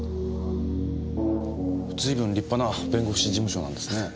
随分立派な弁護士事務所なんですね。